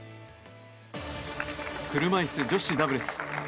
車いす女子ダブルス。